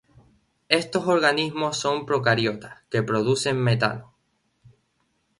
Estos organismos son procariotas que producen metano.